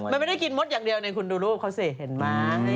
มันไม่ได้กินมดอย่างเดียวเนี่ยคุณดูรูปเขาสิเห็นไหม